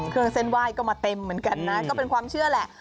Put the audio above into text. เครื่องเส้นไหว้ก็มาเต็มเหมือนกันนะก็เป็นความเชื่อแหละ